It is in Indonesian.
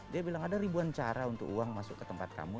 dia bilang ada ribuan cara untuk uang masuk ke tempat kamu